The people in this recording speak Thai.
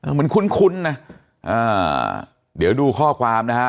เหมือนคุ้นคุ้นนะเดี๋ยวดูข้อความนะฮะ